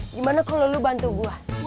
gimana kalau lo bantu gue